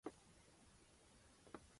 巴克莱资本集团之投资银行子公司。